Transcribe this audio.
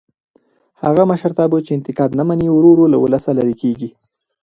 هغه مشرتابه چې انتقاد نه مني ورو ورو له ولسه لرې کېږي